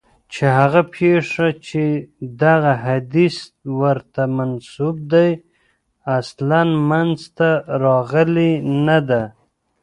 چي هغه پېښه چي دغه حدیث ورته منسوب دی اصلاً منځته راغلې نه ده.